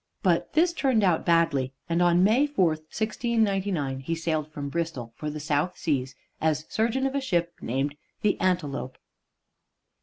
But this turned out badly, and on May 4, 1699, he sailed from Bristol for the South Seas as surgeon of a ship named the "Antelope."